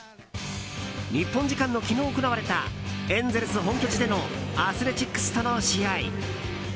日本時間の昨日行われたエンゼルス本拠地でのアスレチックスとの試合。